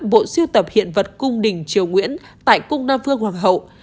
bộ siêu tập hiện vật cung đình triều nguyễn tại cung đa phương hoàng hậu